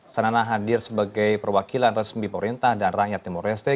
sanana hadir sebagai perwakilan resmi pemerintah dan rakyat timur reste